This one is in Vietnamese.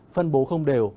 phân bố không đều